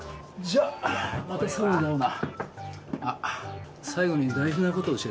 じゃあな。